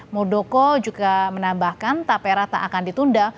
muldoko juga menambahkan tapera tak akan ditunda